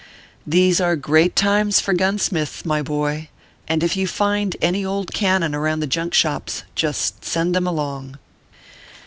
These are great times for gunsmiths, my boy ; and if you find any old cannon around the junk shops, just send them along.